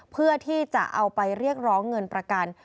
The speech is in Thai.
เพื่อที่จะเอาไปเรียกร้องเงินประกัน